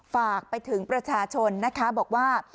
ฝากไปถึงประชาชนนะคะบอกว่า